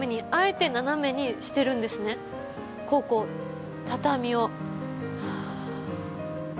ここ畳を。